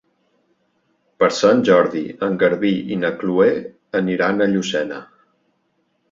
Per Sant Jordi en Garbí i na Chloé aniran a Llucena.